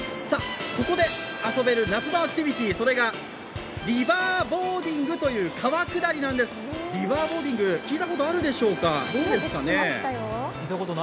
ここで遊べる夏のアクティビティー、それがリバーボーディングという川下りなんです、リバーボーディング、聞いたことありますか？